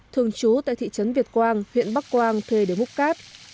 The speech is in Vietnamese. thường chú tại thị trấn việt quang huyện bắc quang thuê để múc cát